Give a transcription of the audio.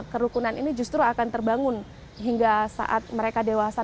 kerukunan ini justru akan terbangun hingga saat mereka dewasa